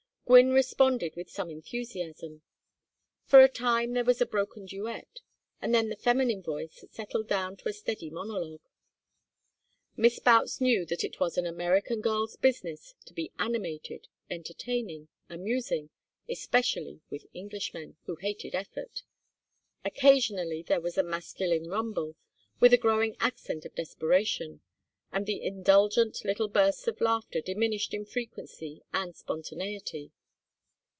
Gwynne responded with some enthusiasm; for a time there was a broken duet, and then the feminine voice settled down to a steady monologue. Miss Boutts knew that it was an American girl's business to be animated, entertaining, amusing, especially with Englishmen, who hated effort. Occasionally there was a masculine rumble, with a growing accent of desperation, and the indulgent little bursts of laughter diminished in frequence and spontaneity.